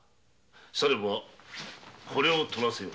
さればこれを取らせよう。